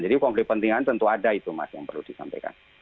jadi konflik kepentingan tentu ada itu mas yang perlu disampaikan